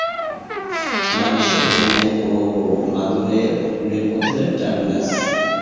রামেশ্বর চেন্নাই ও মাদুরাইয়ের রেলপথের টার্মিনাস।